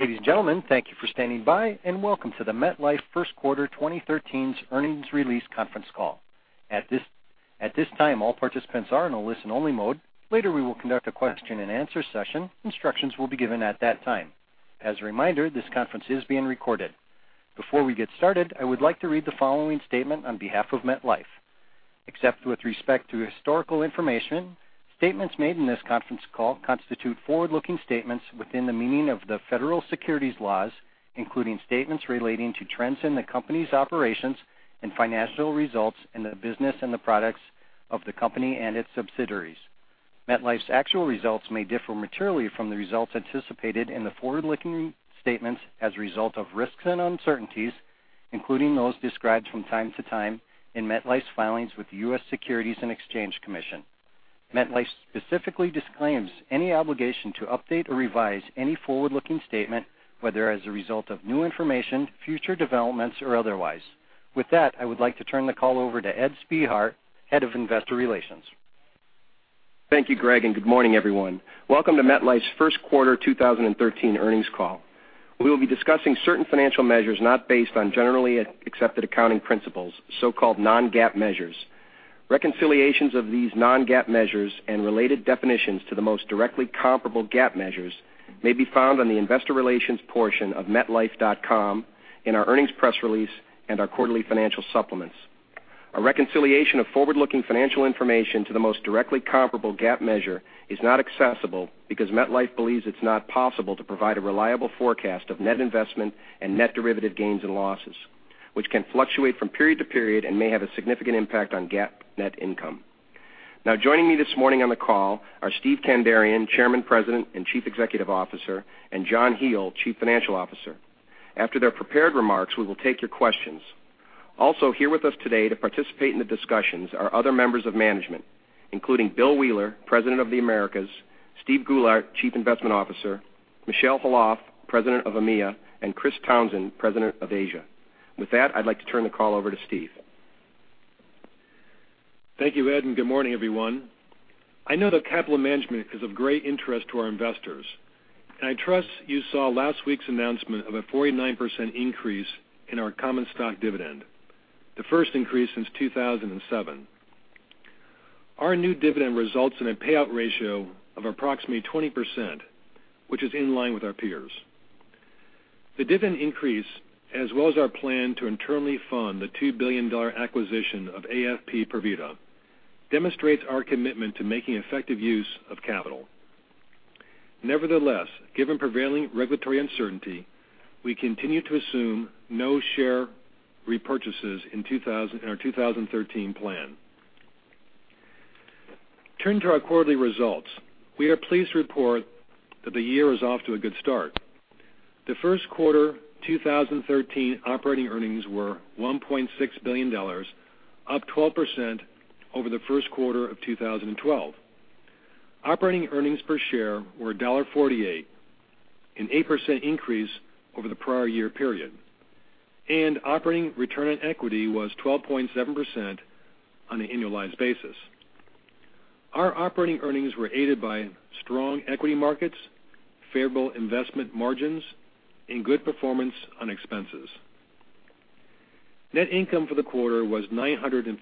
Ladies and gentlemen, thank you for standing by, and welcome to the MetLife First Quarter 2013 Earnings Release Conference Call. At this time, all participants are in a listen-only mode. Later, we will conduct a question and answer session. Instructions will be given at that time. As a reminder, this conference is being recorded. Before we get started, I would like to read the following statement on behalf of MetLife. Except with respect to historical information, statements made in this conference call constitute forward-looking statements within the meaning of the federal securities laws, including statements relating to trends in the company's operations and financial results in the business and the products of the company and its subsidiaries. MetLife's actual results may differ materially from the results anticipated in the forward-looking statements as a result of risks and uncertainties, including those described from time to time in MetLife's filings with the U.S. Securities and Exchange Commission. MetLife specifically disclaims any obligation to update or revise any forward-looking statement, whether as a result of new information, future developments, or otherwise. With that, I would like to turn the call over to Edward Spehar, Head of Investor Relations. Thank you, Greg, and good morning, everyone. Welcome to MetLife's first quarter 2013 earnings call. We will be discussing certain financial measures not based on Generally Accepted Accounting Principles, so-called non-GAAP measures. Reconciliations of these non-GAAP measures and related definitions to the most directly comparable GAAP measures may be found on the investor relations portion of metlife.com, in our earnings press release, and our quarterly financial supplements. A reconciliation of forward-looking financial information to the most directly comparable GAAP measure is not accessible because MetLife believes it's not possible to provide a reliable forecast of net investment and net derivative gains and losses, which can fluctuate from period to period and may have a significant impact on GAAP net income. Joining me this morning on the call are Steve Kandarian, Chairman, President, and Chief Executive Officer, and John Hele, Chief Financial Officer. After their prepared remarks, we will take your questions. Here with us today to participate in the discussions are other members of management, including Bill Wheeler, President of the Americas, Steve Goulart, Chief Investment Officer, Michel Khalaf, President of EMEA, and Chris Townsend, President of Asia. With that, I'd like to turn the call over to Steve. Thank you, Ed. Good morning, everyone. I know that capital management is of great interest to our investors, and I trust you saw last week's announcement of a 49% increase in our common stock dividend, the first increase since 2007. Our new dividend results in a payout ratio of approximately 20%, which is in line with our peers. The dividend increase, as well as our plan to internally fund the $2 billion acquisition of AFP Provida, demonstrates our commitment to making effective use of capital. Nevertheless, given prevailing regulatory uncertainty, we continue to assume no share repurchases in our 2013 plan. Turning to our quarterly results, we are pleased to report that the year is off to a good start. The first quarter 2013 operating earnings were $1.6 billion, up 12% over the first quarter of 2012. Operating earnings per share were $1.48, an 8% increase over the prior year period. Operating return on equity was 12.7% on an annualized basis. Our operating earnings were aided by strong equity markets, favorable investment margins, and good performance on expenses. Net income for the quarter was $956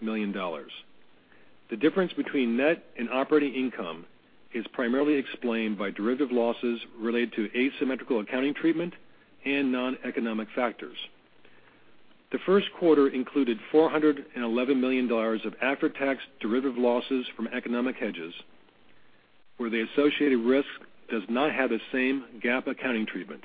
million. The difference between net and operating income is primarily explained by derivative losses related to asymmetrical accounting treatment and noneconomic factors. The first quarter included $411 million of after-tax derivative losses from economic hedges, where the associated risk does not have the same GAAP accounting treatment,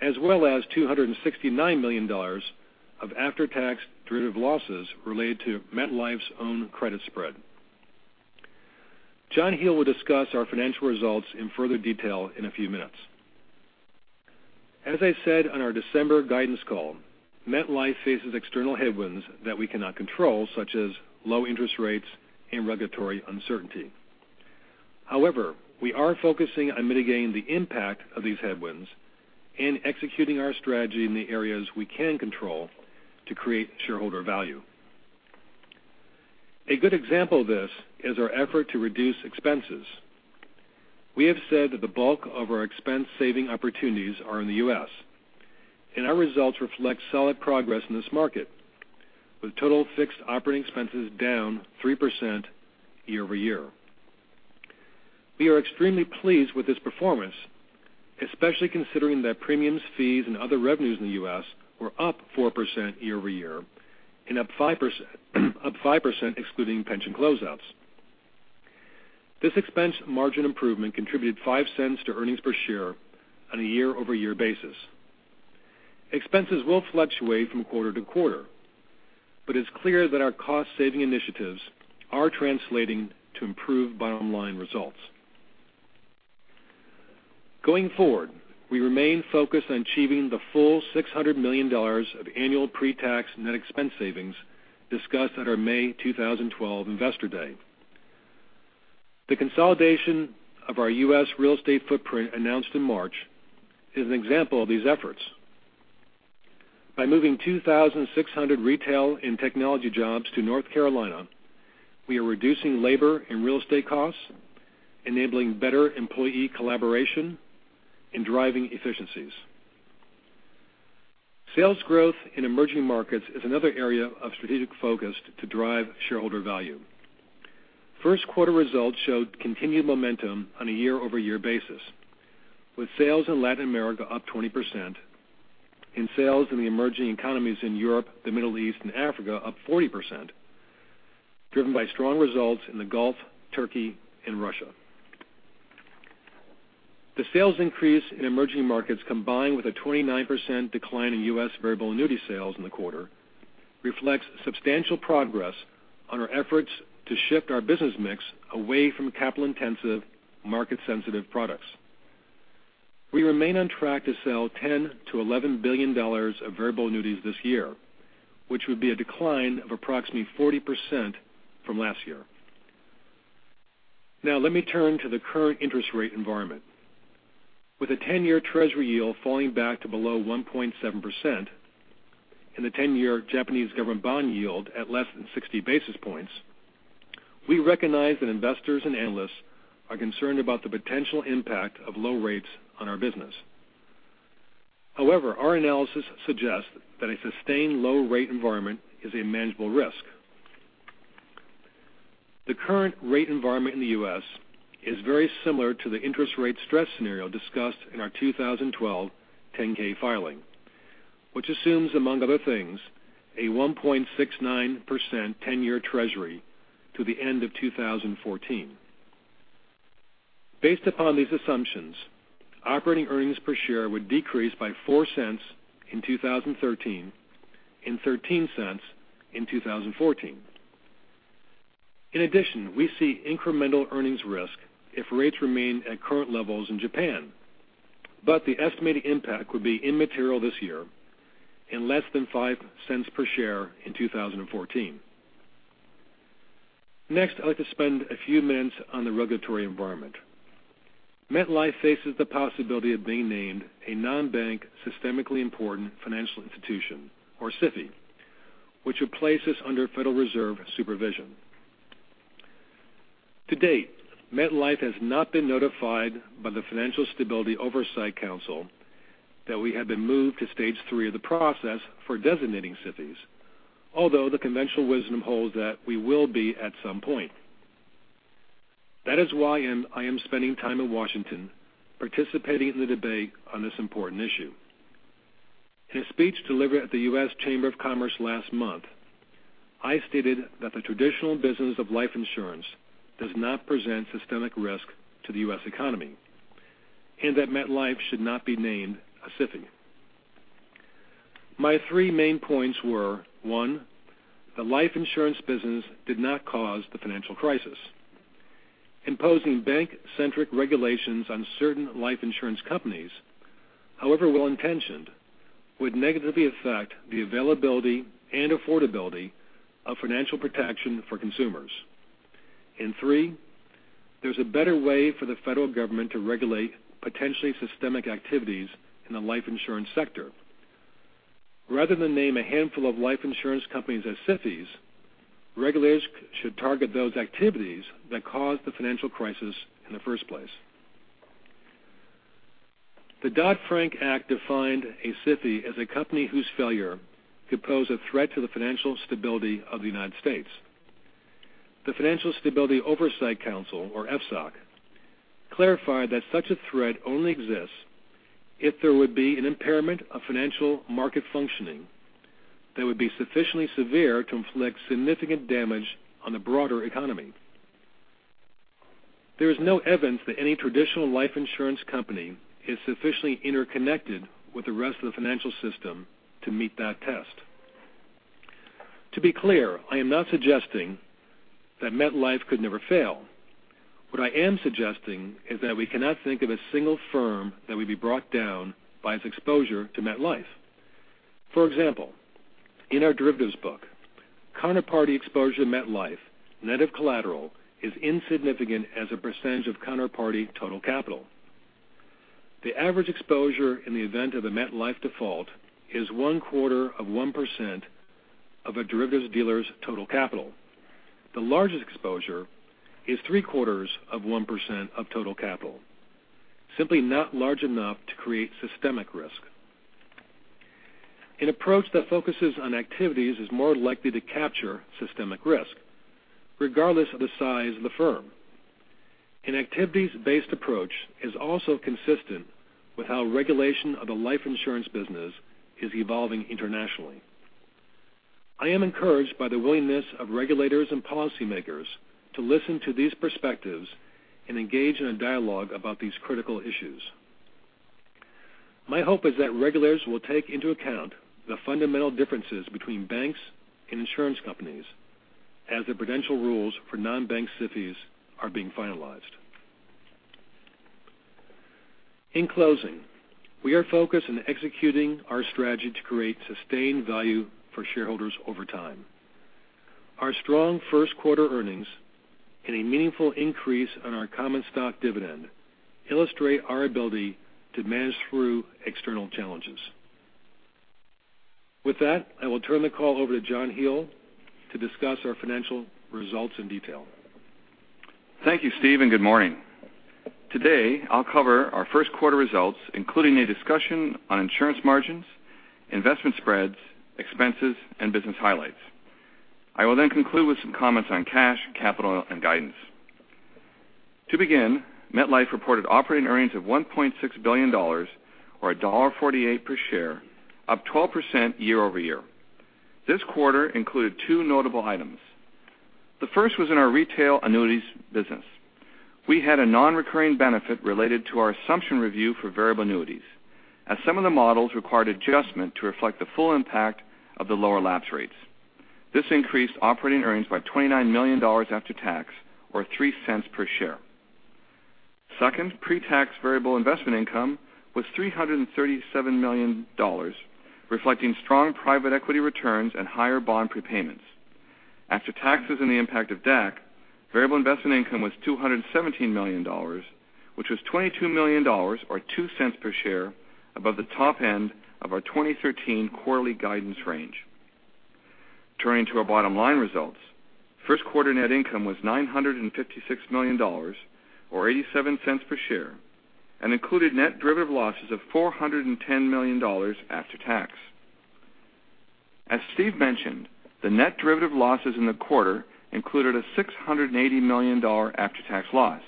as well as $269 million of after-tax derivative losses related to MetLife's own credit spread. John Hele will discuss our financial results in further detail in a few minutes. As I said on our December guidance call, MetLife faces external headwinds that we cannot control, such as low interest rates and regulatory uncertainty. We are focusing on mitigating the impact of these headwinds and executing our strategy in the areas we can control to create shareholder value. A good example of this is our effort to reduce expenses. We have said that the bulk of our expense-saving opportunities are in the U.S., and our results reflect solid progress in this market, with total fixed operating expenses down 3% year-over-year. We are extremely pleased with this performance, especially considering that premiums, fees, and other revenues in the U.S. were up 4% year-over-year and up 5% excluding pension closeouts. This expense margin improvement contributed $0.05 to earnings per share on a year-over-year basis. Expenses will fluctuate from quarter to quarter, it's clear that our cost-saving initiatives are translating to improved bottom-line results. Going forward, we remain focused on achieving the full $600 million of annual pre-tax net expense savings discussed at our May 2012 Investor Day. The consolidation of our U.S. real estate footprint announced in March is an example of these efforts. By moving 2,600 retail and technology jobs to North Carolina, we are reducing labor and real estate costs, enabling better employee collaboration, and driving efficiencies. Sales growth in emerging markets is another area of strategic focus to drive shareholder value. First quarter results showed continued momentum on a year-over-year basis, with sales in Latin America up 20%, and sales in the emerging economies in Europe, the Middle East, and Africa up 40%, driven by strong results in the Gulf, Turkey, and Russia. The sales increase in emerging markets, combined with a 29% decline in U.S. variable annuity sales in the quarter, reflects substantial progress on our efforts to shift our business mix away from capital-intensive, market-sensitive products. We remain on track to sell $10 billion-$11 billion of variable annuities this year, which would be a decline of approximately 40% from last year. Let me turn to the current interest rate environment. With a 10-year Treasury yield falling back to below 1.7% and the 10-year Japanese government bond yield at less than 60 basis points, we recognize that investors and analysts are concerned about the potential impact of low rates on our business. Our analysis suggests that a sustained low-rate environment is a manageable risk. The current rate environment in the U.S. is very similar to the interest rate stress scenario discussed in our 2012 10-K filing, which assumes, among other things, a 1.69% 10-year Treasury to the end of 2014. Based upon these assumptions, operating earnings per share would decrease by $0.04 in 2013 and $0.13 in 2014. In addition, we see incremental earnings risk if rates remain at current levels in Japan. The estimated impact would be immaterial this year and less than $0.05 per share in 2014. I'd like to spend a few minutes on the regulatory environment. MetLife faces the possibility of being named a non-bank systemically important financial institution, or SIFI, which would place us under Federal Reserve supervision. To date, MetLife has not been notified by the Financial Stability Oversight Council that we have been moved to stage 3 of the process for designating SIFIs, although the conventional wisdom holds that we will be at some point. That is why I am spending time in Washington participating in the debate on this important issue. In a speech delivered at the U.S. Chamber of Commerce last month, I stated that the traditional business of life insurance does not present systemic risk to the U.S. economy, and that MetLife should not be named a SIFI. My three main points were, One, the life insurance business did not cause the financial crisis. Imposing bank-centric regulations on certain life insurance companies, however well-intentioned, would negatively affect the availability and affordability of financial protection for consumers. Three, there's a better way for the federal government to regulate potentially systemic activities in the life insurance sector. Rather than name a handful of life insurance companies as SIFIs, regulators should target those activities that caused the financial crisis in the first place. The Dodd-Frank Act defined a SIFI as a company whose failure could pose a threat to the financial stability of the United States. The Financial Stability Oversight Council, or FSOC, clarified that such a threat only exists if there would be an impairment of financial market functioning that would be sufficiently severe to inflict significant damage on the broader economy. There is no evidence that any traditional life insurance company is sufficiently interconnected with the rest of the financial system to meet that test. To be clear, I am not suggesting that MetLife could never fail. What I am suggesting is that we cannot think of a single firm that would be brought down by its exposure to MetLife. For example, in our derivatives book, counterparty exposure to MetLife, net of collateral, is insignificant as a percentage of counterparty total capital. The average exposure in the event of a MetLife default is one-quarter of 1% of a derivatives dealer's total capital. The largest exposure is three-quarters of 1% of total capital, simply not large enough to create systemic risk. An approach that focuses on activities is more likely to capture systemic risk, regardless of the size of the firm. An activities-based approach is also consistent with how regulation of the life insurance business is evolving internationally. I am encouraged by the willingness of regulators and policymakers to listen to these perspectives and engage in a dialogue about these critical issues. My hope is that regulators will take into account the fundamental differences between banks and insurance companies as the prudential rules for non-bank SIFIs are being finalized. In closing, we are focused on executing our strategy to create sustained value for shareholders over time. Our strong first quarter earnings and a meaningful increase on our common stock dividend illustrate our ability to manage through external challenges. With that, I will turn the call over to John Hele to discuss our financial results in detail. Thank you, Steve, good morning. Today, I'll cover our first quarter results, including a discussion on insurance margins, investment spreads, expenses, and business highlights. I will conclude with some comments on cash, capital, and guidance. To begin, MetLife reported operating earnings of $1.6 billion, or $1.48 per share, up 12% year-over-year. This quarter included two notable items. The first was in our retail annuities business. We had a non-recurring benefit related to our assumption review for variable annuities, as some of the models required adjustment to reflect the full impact of the lower lapse rates. This increased operating earnings by $29 million after tax, or $0.03 per share. Second, pre-tax variable investment income was $337 million, reflecting strong private equity returns and higher bond prepayments. After taxes and the impact of DAC, variable investment income was $217 million, which was $22 million, or $0.02 per share above the top end of our 2013 quarterly guidance range. Turning to our bottom line results, first quarter net income was $956 million, or $0.87 per share, and included net derivative losses of $410 million after tax. As Steve mentioned, the net derivative losses in the quarter included a $680 million after tax loss,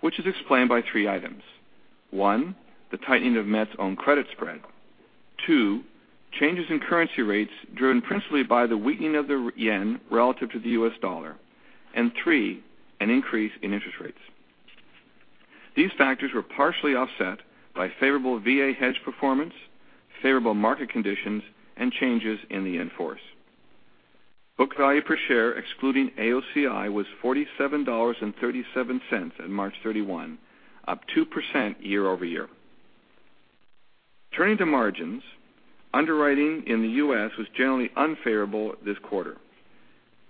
which is explained by three items. One, the tightening of Met's own credit spread. Two, changes in currency rates driven principally by the weakening of the yen relative to the US dollar. Three, an increase in interest rates. These factors were partially offset by favorable VA hedge performance, favorable market conditions, and changes in the in-force. Book value per share excluding AOCI was $47.37 at March 31, up 2% year-over-year. Turning to margins, underwriting in the U.S. was generally unfavorable this quarter.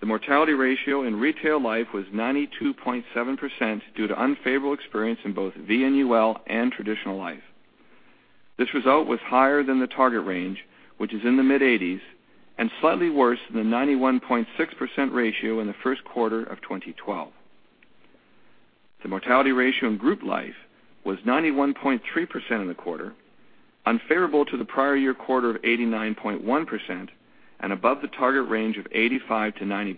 The mortality ratio in retail life was 92.7% due to unfavorable experience in both VUL and traditional life. This result was higher than the target range, which is in the mid 80s, and slightly worse than the 91.6% ratio in the first quarter of 2012. The mortality ratio in group life was 91.3% in the quarter, unfavorable to the prior year quarter of 89.1%, and above the target range of 85%-90%.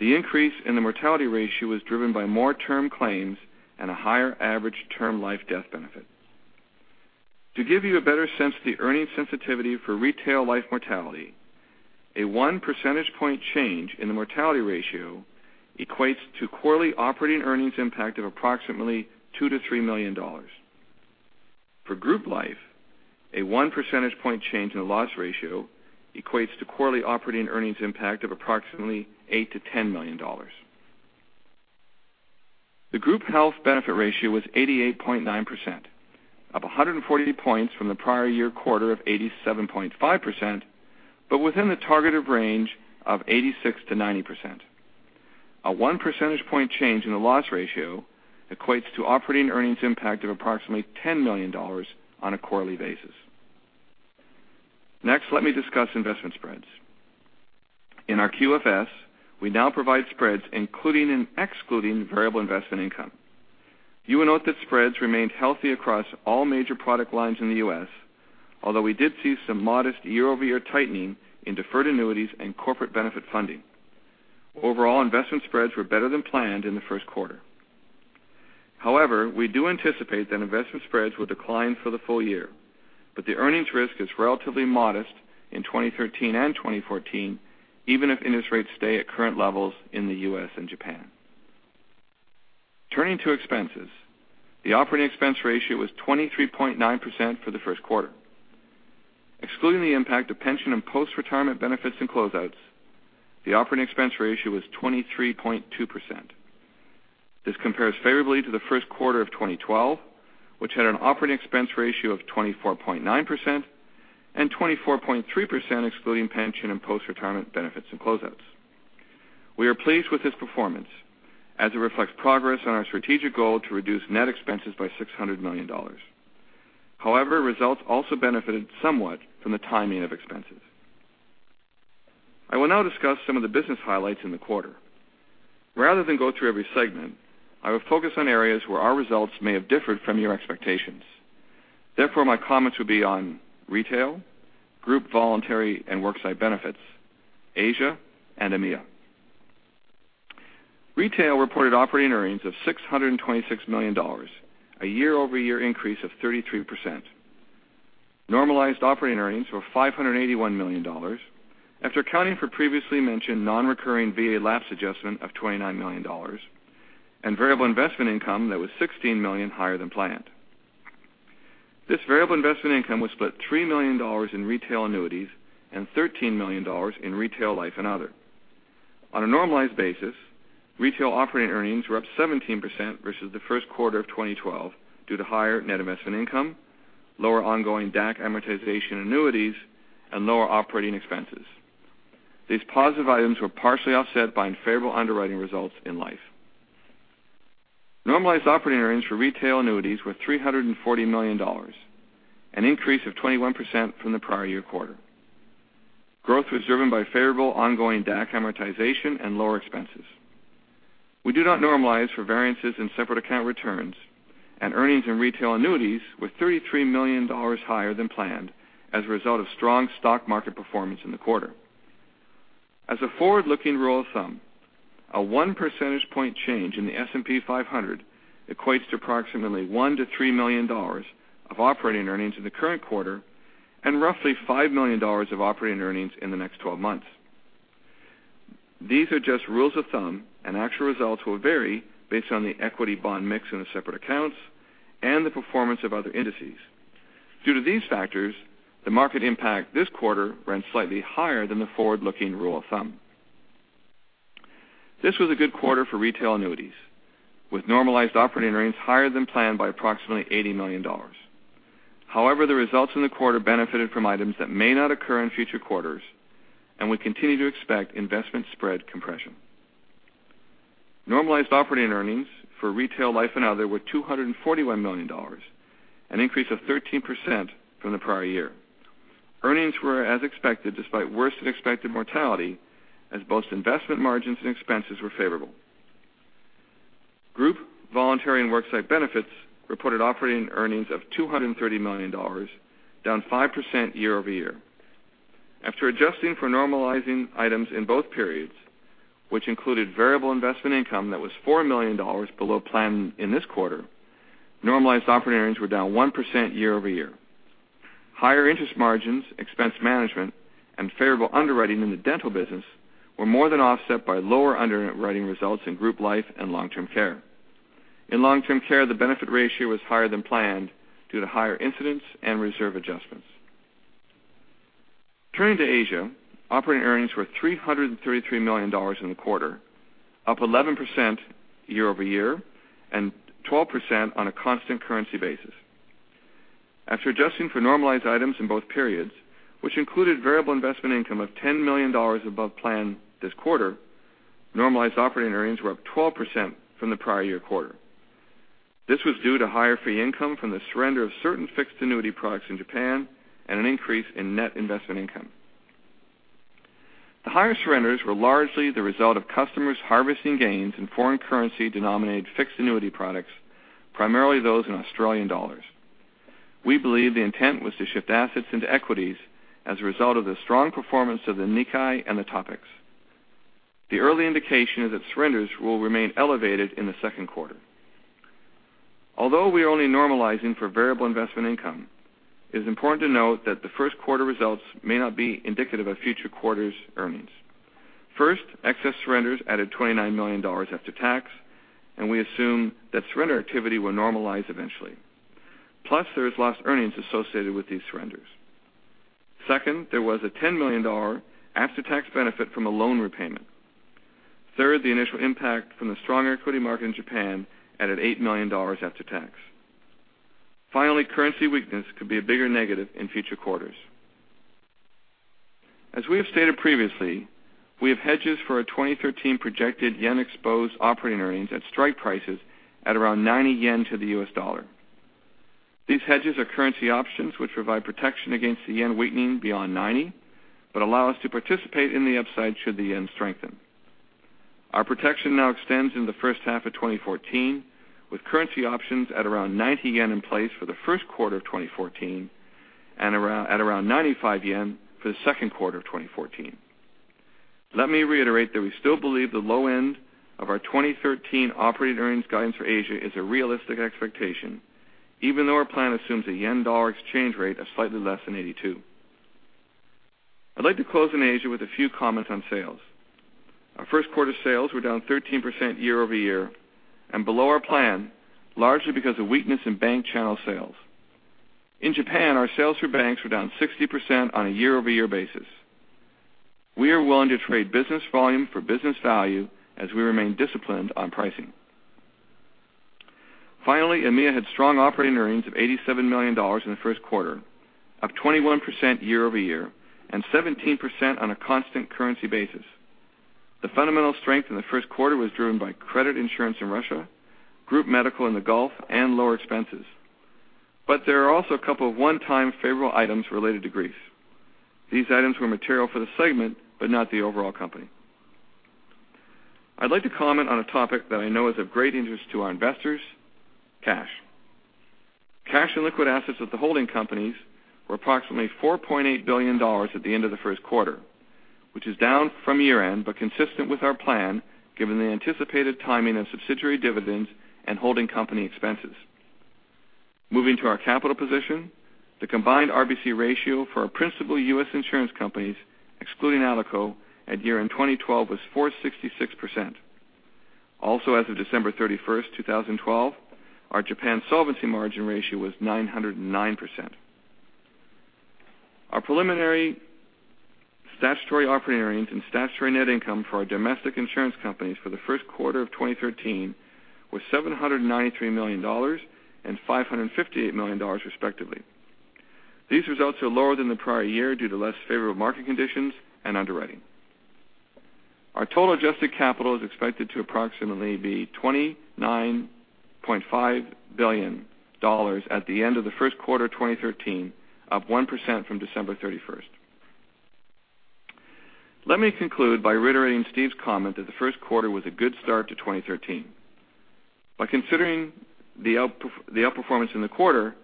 The increase in the mortality ratio was driven by more term claims and a higher average term life death benefit. To give you a better sense of the earning sensitivity for retail life mortality, a one percentage point change in the mortality ratio equates to quarterly operating earnings impact of approximately $2 million-$3 million. For group life, a one percentage point change in the loss ratio equates to quarterly operating earnings impact of approximately $8 million-$10 million. The group health benefit ratio was 88.9%, up 140 points from the prior year quarter of 87.5%, but within the targeted range of 86%-90%. A one percentage point change in the loss ratio equates to operating earnings impact of approximately $10 million on a quarterly basis. In our QFS, we now provide spreads including and excluding variable investment income. You will note that spreads remained healthy across all major product lines in the U.S., although we did see some modest year-over-year tightening in deferred annuities and corporate benefit funding. Overall, investment spreads were better than planned in the first quarter. However, we do anticipate that investment spreads will decline for the full year, but the earnings risk is relatively modest in 2013 and 2014, even if interest rates stay at current levels in the U.S. and Japan. Turning to expenses, the operating expense ratio was 23.9% for the first quarter. Excluding the impact of pension and post-retirement benefits and closeouts, the operating expense ratio was 23.2%. This compares favorably to the first quarter of 2012, which had an operating expense ratio of 24.9% and 24.3% excluding pension and post-retirement benefits and closeouts. We are pleased with this performance as it reflects progress on our strategic goal to reduce net expenses by $600 million. However, results also benefited somewhat from the timing of expenses. I will now discuss some of the business highlights in the quarter. Rather than go through every segment, I will focus on areas where our results may have differed from your expectations. Therefore, my comments will be on retail, group voluntary and worksite benefits, Asia and EMEA. Retail reported operating earnings of $626 million, a year-over-year increase of 33%. Normalized operating earnings were $581 million after accounting for previously mentioned non-recurring VA lapse adjustment of $29 million and variable investment income that was $16 million higher than planned. This variable investment income was split $3 million in retail annuities and $13 million in retail life and other. On a normalized basis, retail operating earnings were up 17% versus the first quarter of 2012 due to higher net investment income, lower ongoing DAC amortization annuities, and lower operating expenses. These positive items were partially offset by unfavorable underwriting results in life. Normalized operating earnings for retail annuities were $340 million, an increase of 21% from the prior year quarter. Growth was driven by favorable ongoing DAC amortization and lower expenses. We do not normalize for variances in separate account returns, and earnings in retail annuities were $33 million higher than planned as a result of strong stock market performance in the quarter. As a forward-looking rule of thumb, a one percentage point change in the S&P 500 equates to approximately $1 million-$3 million of operating earnings in the current quarter and roughly $5 million of operating earnings in the next 12 months. These are just rules of thumb, and actual results will vary based on the equity-bond mix in the separate accounts and the performance of other indices. Due to these factors, the market impact this quarter ran slightly higher than the forward-looking rule of thumb. This was a good quarter for retail annuities, with normalized operating earnings higher than planned by approximately $80 million. The results in the quarter benefited from items that may not occur in future quarters, and we continue to expect investment spread compression. Normalized operating earnings for retail life and other were $241 million, an increase of 13% from the prior year. Earnings were as expected despite worse-than-expected mortality, as both investment margins and expenses were favorable. Group voluntary and worksite benefits reported operating earnings of $230 million, down 5% year-over-year. After adjusting for normalizing items in both periods, which included variable investment income that was $4 million below plan in this quarter, normalized operating earnings were down 1% year-over-year. Higher interest margins, expense management, and favorable underwriting in the dental business were more than offset by lower underwriting results in group life and long-term care. In long-term care, the benefit ratio was higher than planned due to higher incidents and reserve adjustments. Turning to Asia, operating earnings were $333 million in the quarter, up 11% year-over-year and 12% on a constant currency basis. After adjusting for normalized items in both periods, which included variable investment income of $10 million above plan this quarter, normalized operating earnings were up 12% from the prior year quarter. This was due to higher fee income from the surrender of certain fixed annuity products in Japan and an increase in net investment income. The higher surrenders were largely the result of customers harvesting gains in foreign currency denominated fixed annuity products, primarily those in Australian dollars. We believe the intent was to shift assets into equities as a result of the strong performance of the Nikkei and the TOPIX. The early indication is that surrenders will remain elevated in the second quarter. Although we are only normalizing for variable investment income, it is important to note that the first quarter results may not be indicative of future quarters' earnings. First, excess surrenders added $29 million after tax, and we assume that surrender activity will normalize eventually. There is lost earnings associated with these surrenders. Second, there was a $10 million after-tax benefit from a loan repayment. Third, the initial impact from the strong equity market in Japan added $8 million after tax. Currency weakness could be a bigger negative in future quarters. As we have stated previously, we have hedges for our 2013 projected JPY-exposed operating earnings at strike prices at around 90 yen to the USD. These hedges are currency options which provide protection against the yen weakening beyond 90 but allow us to participate in the upside should the yen strengthen. Our protection now extends in the first half of 2014, with currency options at around 90 yen in place for the first quarter of 2014 and at around 95 yen for the second quarter of 2014. Let me reiterate that we still believe the low end of our 2013 operating earnings guidance for Asia is a realistic expectation, even though our plan assumes a yen-dollar exchange rate of slightly less than 82. I'd like to close in Asia with a few comments on sales. Our first quarter sales were down 13% year-over-year and below our plan, largely because of weakness in bank channel sales. In Japan, our sales through banks were down 60% on a year-over-year basis. We are willing to trade business volume for business value as we remain disciplined on pricing. Finally, EMEA had strong operating earnings of $87 million in the first quarter, up 21% year-over-year and 17% on a constant currency basis. The fundamental strength in the first quarter was driven by credit insurance in Russia, group medical in the Gulf, and lower expenses. There are also a couple of one-time favorable items related to Greece. These items were material for the segment, but not the overall company. I'd like to comment on a topic that I know is of great interest to our investors, cash. Cash and liquid assets at the holding companies were approximately $4.8 billion at the end of the first quarter, which is down from year-end, but consistent with our plan given the anticipated timing of subsidiary dividends and holding company expenses. Moving to our capital position, the combined RBC ratio for our principal U.S. insurance companies, excluding ALICO at year-end 2012, was 466%. Also, as of December 31st, 2012, our Japan solvency margin ratio was 909%. Our preliminary statutory operating earnings and statutory net income for our domestic insurance companies for the first quarter of 2013 was $793 million and $558 million respectively. These results are lower than the prior year due to less favorable market conditions and underwriting. Our total adjusted capital is expected to approximately be $29.5 billion at the end of the first quarter 2013, up 1% from December 31st. Let me conclude by reiterating Steve's comment that the first quarter was a good start to 2013. By considering the outperformance in the quarter,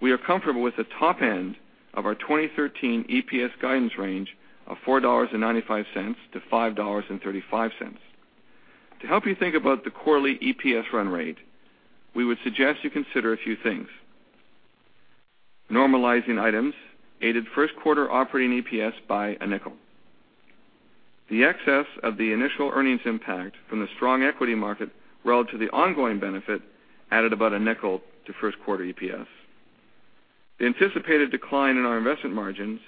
we are comfortable with the top end of our 2013 EPS guidance range of $4.95-$5.35. To help you think about the quarterly EPS run rate, we would suggest you consider a few things. Normalizing items aided first quarter operating EPS by $0.05. The excess of the initial earnings impact from the strong equity market relative to the ongoing benefit added about $0.05 to first quarter EPS. The anticipated decline in our investment margins,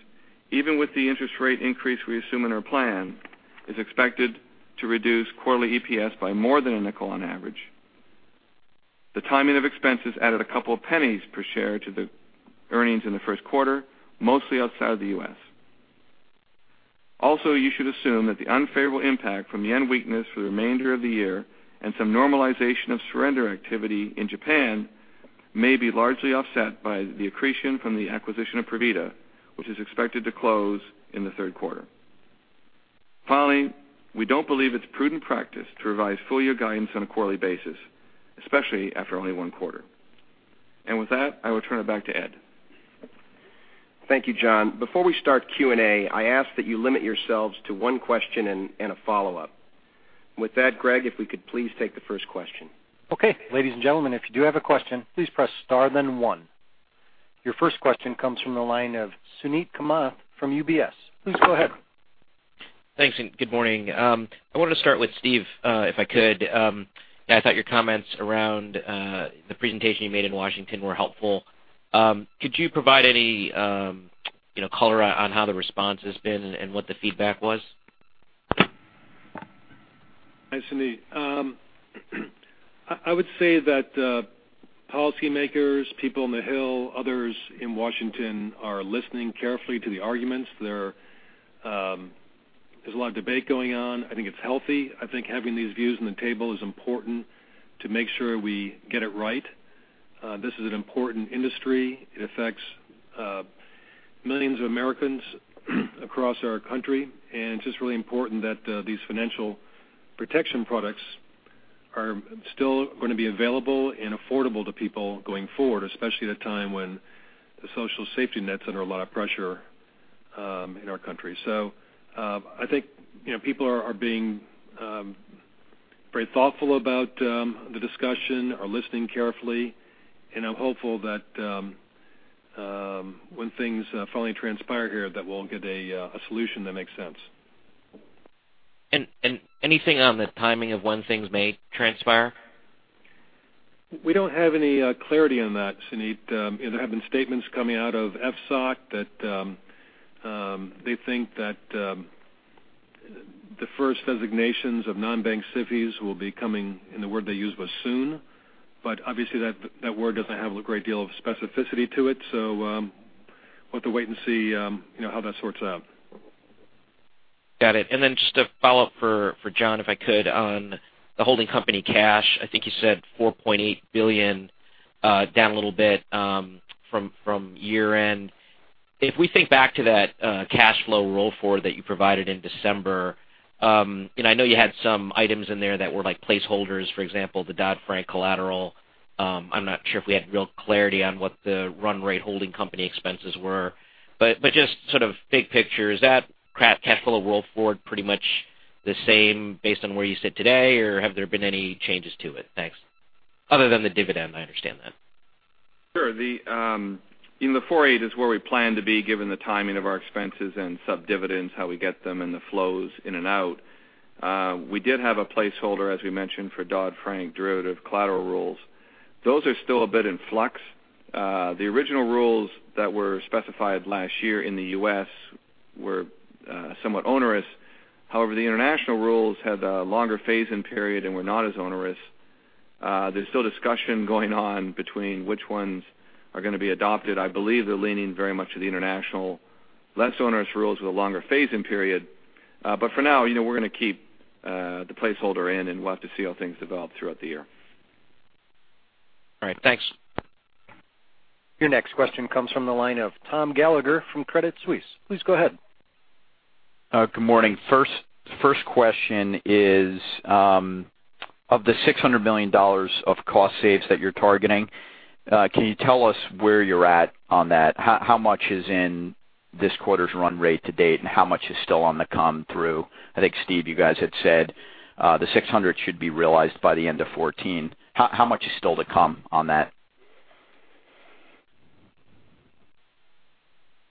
even with the interest rate increase we assume in our plan, is expected to reduce quarterly EPS by more than $0.05 on average. The timing of expenses added $0.02 per share to the earnings in the first quarter, mostly outside of the U.S. You should assume that the unfavorable impact from yen weakness for the remainder of the year and some normalization of surrender activity in Japan may be largely offset by the accretion from the acquisition of Provida, which is expected to close in the third quarter. Finally, we don't believe it's prudent practice to revise full year guidance on a quarterly basis, especially after only one quarter. With that, I will turn it back to Ed. Thank you, John. Before we start Q&A, I ask that you limit yourselves to one question and a follow-up. With that, Greg, if we could please take the first question. Okay. Ladies and gentlemen, if you do have a question, please press star then one. Your first question comes from the line of Suneet Kamath from UBS. Please go ahead. Thanks. Good morning. I wanted to start with Steve, if I could. I thought your comments around the presentation you made in Washington were helpful. Could you provide any color on how the response has been and what the feedback was? Hi, Suneet. I would say that policymakers, people on the Hill, others in Washington are listening carefully to the arguments. There's a lot of debate going on. I think it's healthy. I think having these views on the table is important to make sure we get it right. This is an important industry. It affects millions of Americans across our country, and it's just really important that these financial protection products are still going to be available and affordable to people going forward, especially at a time when the social safety net's under a lot of pressure in our country. I think people are being very thoughtful about the discussion, are listening carefully, and I'm hopeful that when things finally transpire here, that we'll get a solution that makes sense. Anything on the timing of when things may transpire? We don't have any clarity on that, Suneet. There have been statements coming out of FSOC that they think that the first designations of non-bank SIFIs will be coming, and the word they used was soon. Obviously that word doesn't have a great deal of specificity to it, so we'll have to wait and see how that sorts out. Got it. Then just a follow-up for John, if I could, on the holding company cash. I think you said $4.8 billion, down a little bit from year-end. If we think back to that cash flow roll forward that you provided in December, I know you had some items in there that were placeholders, for example, the Dodd-Frank collateral. I'm not sure if we had real clarity on what the run rate holding company expenses were. Just sort of big picture, is that cash flow roll forward pretty much the same based on where you sit today, or have there been any changes to it? Thanks. Other than the dividend, I understand that. Sure. The $4.8 is where we plan to be given the timing of our expenses and sub-dividends, how we get them, and the flows in and out. We did have a placeholder, as we mentioned, for Dodd-Frank derivative collateral rules. Those are still a bit in flux. The original rules that were specified last year in the U.S. were somewhat onerous. However, the international rules had a longer phase-in period and were not as onerous. There's still discussion going on between which ones are going to be adopted. I believe they're leaning very much to the international less onerous rules with a longer phase-in period. For now, we're going to keep the placeholder in, and we'll have to see how things develop throughout the year. All right. Thanks. Your next question comes from the line of Tom Gallagher from Credit Suisse. Please go ahead. Good morning. First question is, of the $600 million of cost saves that you're targeting, can you tell us where you're at on that? How much is in this quarter's run rate to date, and how much is still on the come through? I think, Steve, you guys had said the $600 should be realized by the end of 2014. How much is still to come on that?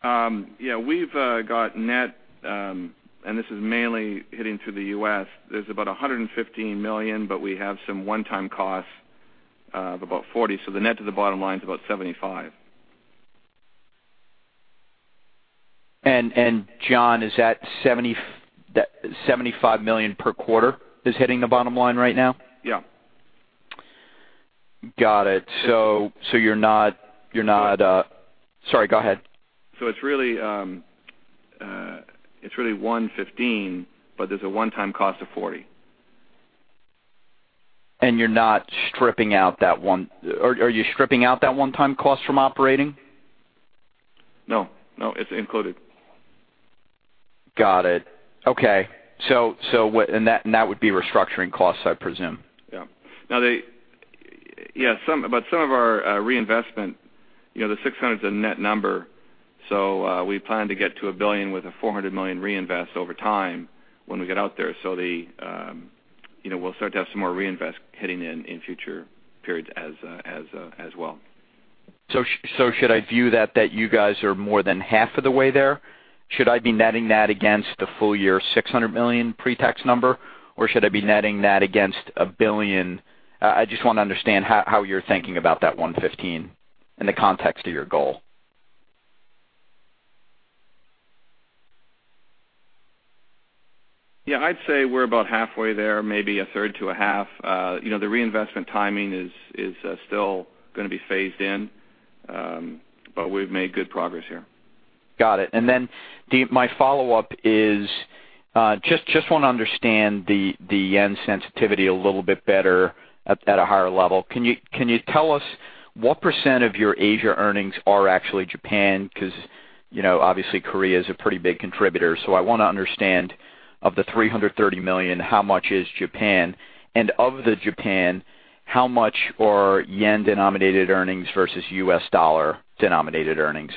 Yeah, we've got net. This is mainly hitting through the U.S. There's about $115 million. We have some one-time costs Of about $40. The net to the bottom line is about $75. John, is that $75 million per quarter is hitting the bottom line right now? Yeah. Got it. Sorry, go ahead. It's really $115, but there's a one-time cost of $40. Are you stripping out that one-time cost from operating? No, it's included. Got it. Okay. That would be restructuring costs, I presume. Some of our reinvestment, the 600 is a net number. We plan to get to $1 billion with a $400 million reinvest over time when we get out there. We'll start to have some more reinvest hitting in future periods as well. Should I view that you guys are more than half of the way there? Should I be netting that against the full year $600 million pre-tax number, or should I be netting that against $1 billion? I just want to understand how you're thinking about that $115 in the context of your goal. I'd say we're about halfway there, maybe a third to a half. The reinvestment timing is still going to be phased in, we've made good progress here. Got it. My follow-up is, just want to understand the yen sensitivity a little bit better at a higher level. Can you tell us what % of your Asia earnings are actually Japan? Obviously Korea is a pretty big contributor. I want to understand, of the $330 million, how much is Japan? And of the Japan, how much are yen-denominated earnings versus U.S. dollar-denominated earnings?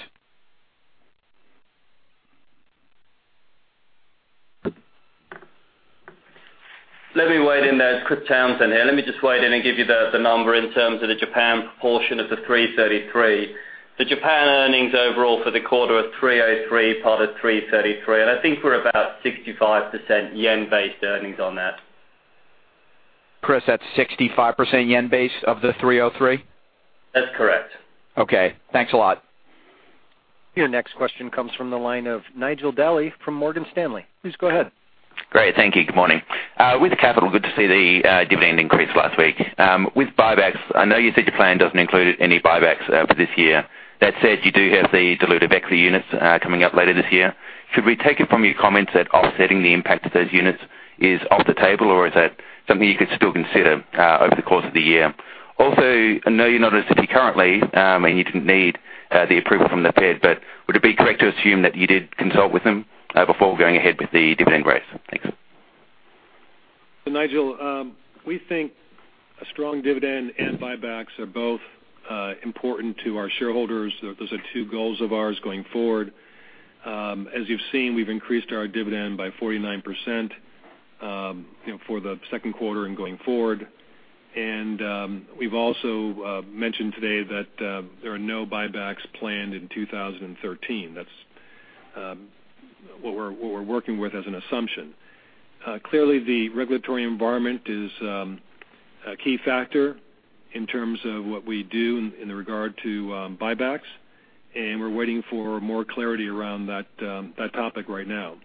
Let me weigh in there. Chris Townsend here. Let me just weigh in and give you the number in terms of the Japan proportion of the $333. The Japan earnings overall for the quarter of $303, part of $333, and I think we're about 65% yen-based earnings on that. Chris, that's 65% yen base of the $303? That's correct. Okay. Thanks a lot. Your next question comes from the line of Nigel D'Souza from Morgan Stanley. Please go ahead. Great. Thank you. Good morning. With the capital, good to see the dividend increase last week. With buybacks, I know you said your plan doesn't include any buybacks for this year. That said, you do have the dilutive equity units coming up later this year. Should we take it from your comments that offsetting the impact of those units is off the table, or is that something you could still consider over the course of the year? Also, I know you're not a SIFI currently, and you didn't need the approval from the Fed, but would it be correct to assume that you did consult with them before going ahead with the dividend raise? Thanks. Nigel, we think a strong dividend and buybacks are both important to our shareholders. Those are two goals of ours going forward. As you've seen, we've increased our dividend by 49% for the second quarter and going forward. We've also mentioned today that there are no buybacks planned in 2013. That's what we're working with as an assumption. Clearly, the regulatory environment is a key factor in terms of what we do in the regard to buybacks, and we're waiting for more clarity around that topic right now.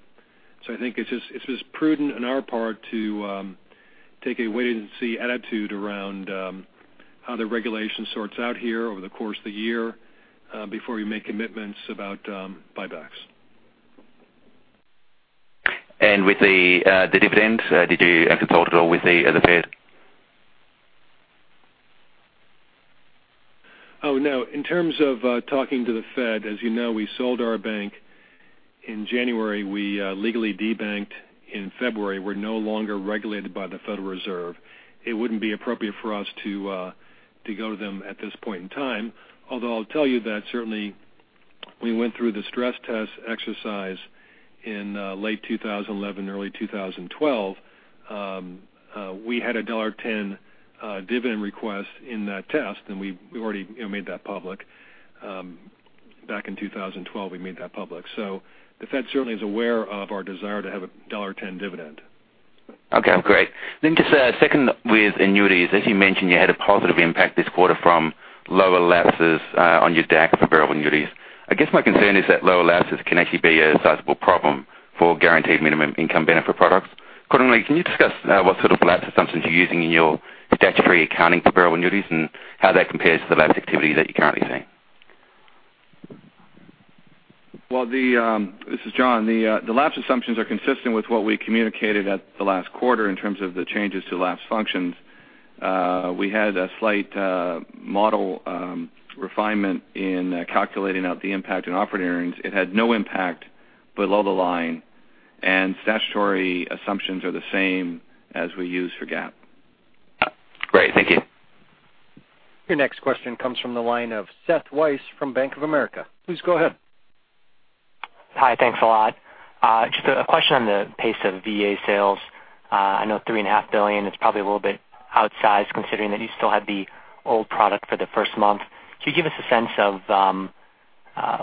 I think it's just prudent on our part to take a wait-and-see attitude around how the regulation sorts out here over the course of the year before we make commitments about buybacks. With the dividend, did you actually talk at all with the Fed? Oh, no. In terms of talking to the Fed, as you know, we sold our bank in January. We legally de-banked in February. We're no longer regulated by the Federal Reserve. It wouldn't be appropriate for us to go to them at this point in time. Although I'll tell you that certainly we went through the stress test exercise in late 2011, early 2012. We had a $1.10 dividend request in that test, and we already made that public. Back in 2012, we made that public. The Fed certainly is aware of our desire to have a $1.10 dividend. Okay, great. Just a second with annuities. As you mentioned, you had a positive impact this quarter from lower lapses on your DAC for variable annuities. I guess my concern is that lower lapses can actually be a sizable problem for Guaranteed Minimum Income Benefit products. Accordingly, can you discuss what sort of lapse assumptions you're using in your statutory accounting for variable annuities and how that compares to the lapse activity that you're currently seeing? This is John. The lapse assumptions are consistent with what we communicated at the last quarter in terms of the changes to lapse functions. We had a slight model refinement in calculating out the impact on operating earnings. It had no impact below the line, statutory assumptions are the same as we use for GAAP. Great. Thank you. Your next question comes from the line of Seth Weiss from Bank of America. Please go ahead. Hi. Thanks a lot. Just a question on the pace of VA sales. I know three and a half billion is probably a little bit outsized considering that you still had the old product for the first month. Could you give us a sense of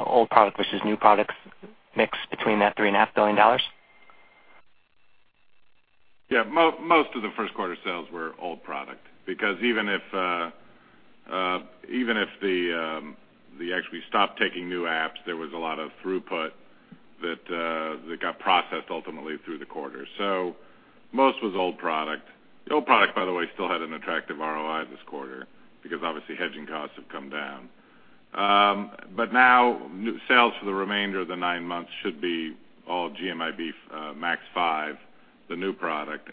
old product versus new products mix between that $3.5 billion? Yeah. Most of the first quarter sales were old product, because even if we actually stopped taking new apps, there was a lot of throughput that got processed ultimately through the quarter. Most was old product. The old product, by the way, still had an attractive ROI this quarter because obviously hedging costs have come down. Now new sales for the remainder of the nine months should be all GMIB Max 5, the new product.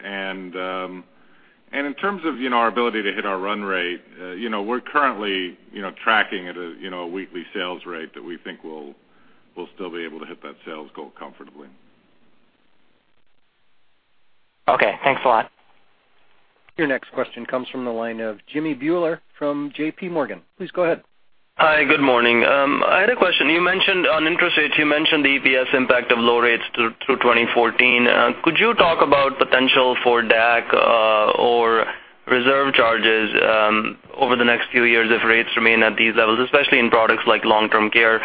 In terms of our ability to hit our run rate, we're currently tracking at a weekly sales rate that we think we'll still be able to hit that sales goal comfortably. Okay. Thanks a lot. Your next question comes from the line of Jimmy Bhullar from J.P. Morgan. Please go ahead. Hi. Good morning. I had a question. You mentioned on interest rates, you mentioned the EPS impact of low rates through 2014. Could you talk about potential for DAC or reserve charges over the next few years if rates remain at these levels, especially in products like long-term care?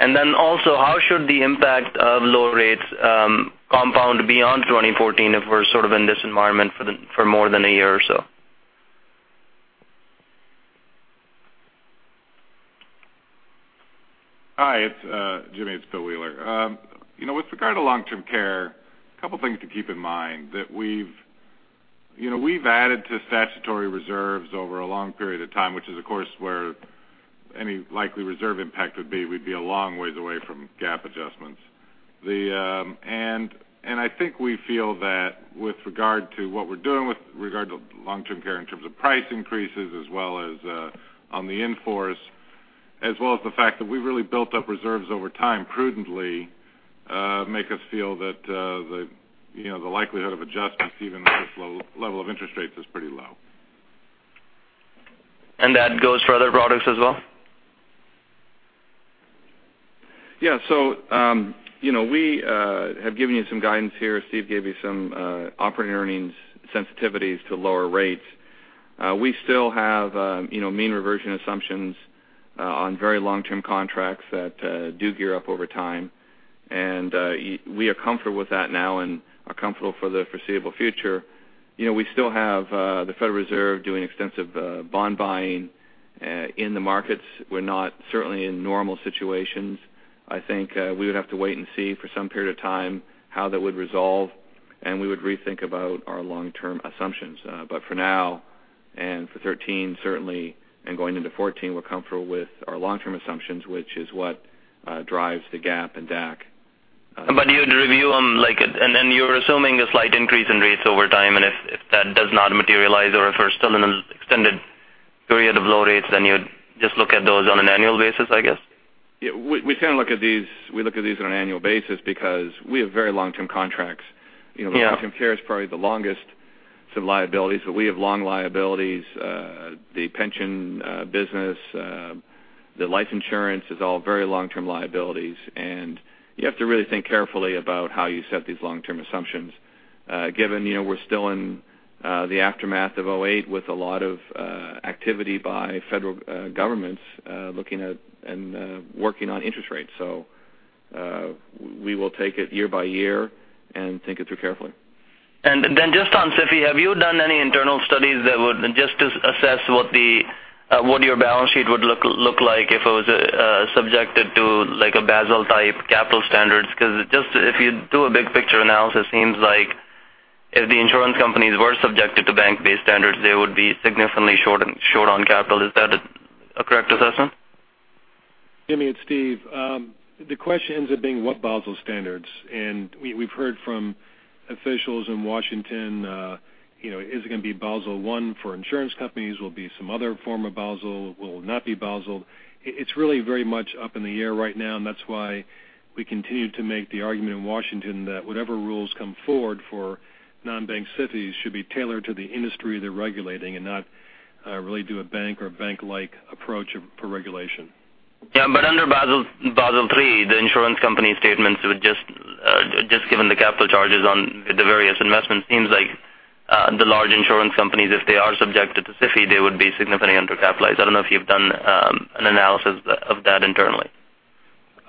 Also, how should the impact of low rates compound beyond 2014 if we're sort of in this environment for more than one year or so? Hi, Jimmy, it's Bill Wheeler. With regard to long-term care, two things to keep in mind. That we've added to statutory reserves over a long period of time, which is, of course, where any likely reserve impact would be. We'd be a long way away from GAAP adjustments. I think we feel that with regard to what we're doing with regard to long-term care in terms of price increases as well as on the in-force, as well as the fact that we really built up reserves over time prudently, make us feel that the likelihood of adjustments even at this low level of interest rates is pretty low. That goes for other products as well? We have given you some guidance here. Steve gave you some operating earnings sensitivities to lower rates. We still have mean reversion assumptions on very long-term contracts that do gear up over time, and we are comfortable with that now and are comfortable for the foreseeable future. We still have the Federal Reserve doing extensive bond buying in the markets. We're not certainly in normal situations. I think we would have to wait and see for some period of time how that would resolve, and we would rethink about our long-term assumptions. For now, and for 2013 certainly, and going into 2014, we're comfortable with our long-term assumptions, which is what drives the GAAP and DAC. You'd review them, and then you're assuming a slight increase in rates over time, and if that does not materialize or if we're still in an extended period of low rates, then you'd just look at those on an annual basis, I guess? Yeah. We kind of look at these on an annual basis because we have very long-term contracts. Yeah. Long-term care is probably the longest of liabilities, but we have long liabilities. The pension business, the life insurance is all very long-term liabilities, and you have to really think carefully about how you set these long-term assumptions, given we're still in the aftermath of 2008 with a lot of activity by federal governments looking at and working on interest rates. We will take it year by year and think it through carefully. Just on SIFI, have you done any internal studies that would just assess what your balance sheet would look like if it was subjected to Basel-type capital standards? Because just if you do a big-picture analysis, seems like if the insurance companies were subjected to bank-based standards, they would be significantly short on capital. Is that a correct assessment? Jimmy, it's Steve. The question ends up being what Basel standards. We've heard from officials in Washington, is it going to be Basel I for insurance companies, will it be some other form of Basel, will it not be Basel? It's really very much up in the air right now. That's why we continue to make the argument in Washington that whatever rules come forward for non-bank SIFIs should be tailored to the industry they're regulating and not really do a bank or bank-like approach for regulation. Yeah, under Basel III, the insurance company statements would just, given the capital charges on the various investments, seems like the large insurance companies, if they are subjected to SIFI, they would be significantly undercapitalized. I don't know if you've done an analysis of that internally.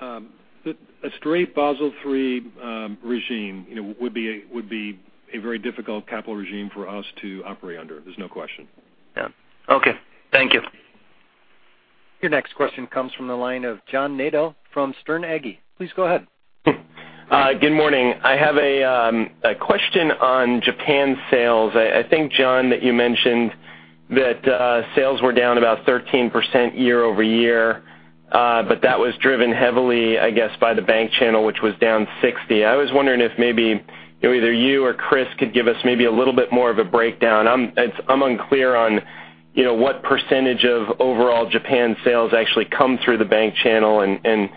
A straight Basel III regime would be a very difficult capital regime for us to operate under. There's no question. Yeah. Okay. Thank you. Your next question comes from the line of John Nadel from Sterne Agee. Please go ahead. Good morning. I have a question on Japan sales. I think, John, that you mentioned that sales were down about 13% year-over-year, but that was driven heavily, I guess, by the bank channel, which was down 60%. I was wondering if maybe either you or Chris could give us maybe a little bit more of a breakdown. I am unclear on what percentage of overall Japan sales actually come through the bank channel and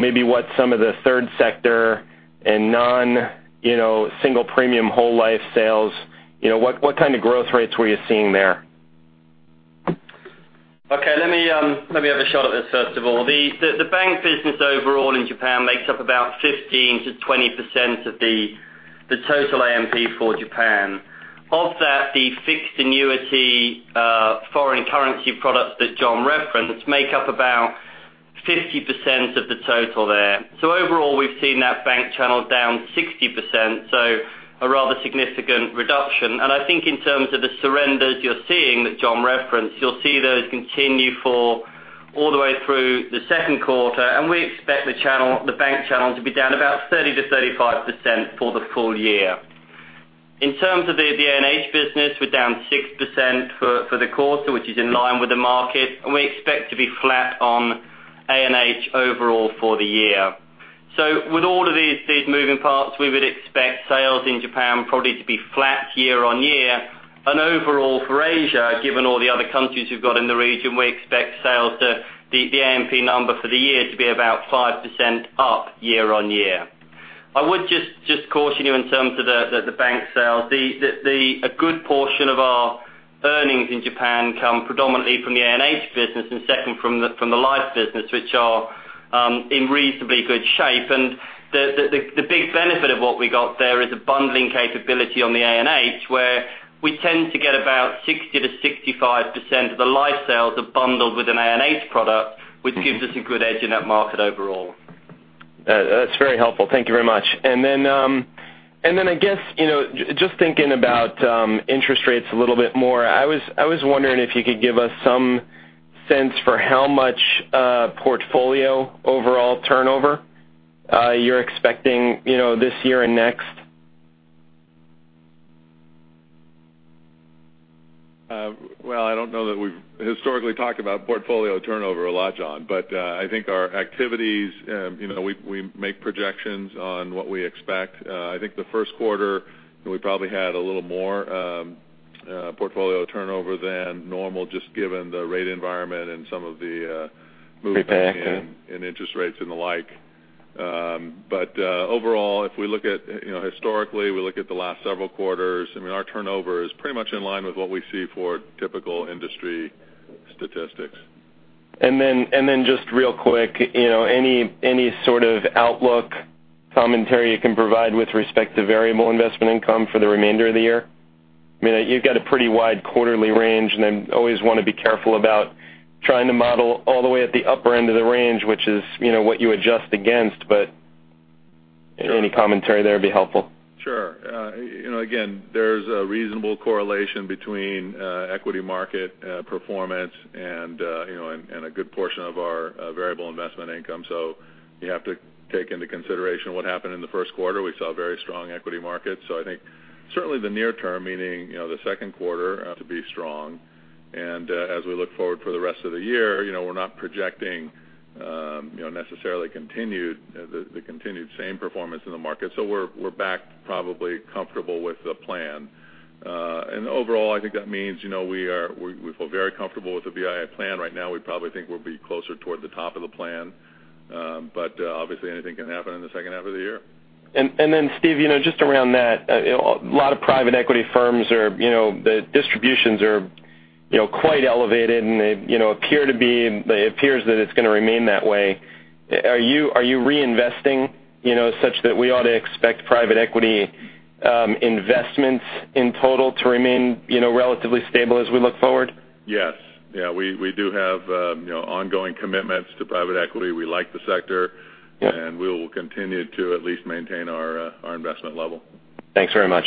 maybe what some of the third sector and non-single premium whole life sales, what kind of growth rates were you seeing there? Okay. Let me have a shot at this, first of all. The bank business overall in Japan makes up about 15%-20% of the total ANP for Japan. Of that, the fixed annuity Currency products that John referenced make up about 50% of the total there. Overall, we've seen that bank channel down 60%, so a rather significant reduction. I think in terms of the surrenders you're seeing that John referenced, you'll see those continue for all the way through the second quarter, and we expect the bank channel to be down about 30%-35% for the full year. In terms of the A&H business, we're down 6% for the quarter, which is in line with the market, and we expect to be flat on A&H overall for the year. With all of these moving parts, we would expect sales in Japan probably to be flat year-on-year. Overall for Asia, given all the other countries we've got in the region, we expect sales to the ANP number for the year to be about 5% up year-on-year. I would just caution you in terms of the bank sales. A good portion of our earnings in Japan come predominantly from the A&H business and second from the life business, which are in reasonably good shape. The big benefit of what we got there is a bundling capability on the A&H, where we tend to get about 60%-65% of the life sales are bundled with an A&H product, which gives us a good edge in that market overall. That's very helpful. Thank you very much. Then, I guess, just thinking about interest rates a little bit more, I was wondering if you could give us some sense for how much portfolio overall turnover you're expecting this year and next. Well, I don't know that we've historically talked about portfolio turnover a lot, John. I think our activities, we make projections on what we expect. I think the first quarter, we probably had a little more portfolio turnover than normal, just given the rate environment. Repack, yeah in interest rates and the like. Overall, if we look at historically, we look at the last several quarters, I mean, our turnover is pretty much in line with what we see for typical industry statistics. Then just real quick, any sort of outlook commentary you can provide with respect to variable investment income for the remainder of the year? I mean, you've got a pretty wide quarterly range, and I always want to be careful about trying to model all the way at the upper end of the range, which is what you adjust against. Any commentary there would be helpful. Sure. Again, there's a reasonable correlation between equity market performance and a good portion of our variable investment income. You have to take into consideration what happened in the first quarter. We saw very strong equity markets. I think certainly the near term, meaning, the second quarter to be strong. As we look forward for the rest of the year, we're not projecting necessarily the continued same performance in the market. We're back probably comfortable with the plan. Overall, I think that means we feel very comfortable with the BII plan right now. We probably think we'll be closer toward the top of the plan. Obviously, anything can happen in the second half of the year. Steve, just around that, a lot of private equity firms, the distributions are quite elevated, and it appears that it's going to remain that way. Are you reinvesting, such that we ought to expect private equity investments in total to remain relatively stable as we look forward? Yes. We do have ongoing commitments to private equity. We like the sector. Yeah. We will continue to at least maintain our investment level. Thanks very much.